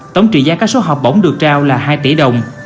tổng trị giá các số học bổng được trao là hai tỷ đồng